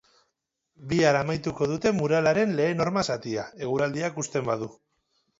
Bihar amaituko dute muralaren lehen horma-zatia, eguraldiak uzten badu.